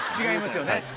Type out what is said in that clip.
違いますよね。